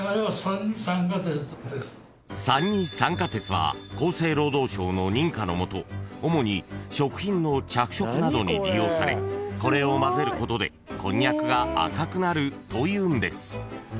［は厚生労働省の認可のもと主に食品の着色などに利用されこれを混ぜることでこんにゃくが赤くなるというんです］